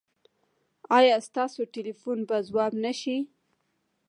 ایا ستاسو ټیلیفون به ځواب نه شي؟